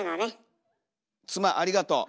妻ありがとう。